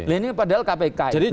ini padahal kpk itu